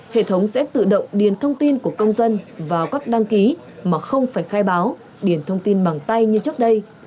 hệ thống sẽ tự động điền thông tin của công dân vào các đăng ký mà không phải khai báo điền thông tin bằng tay như trước đây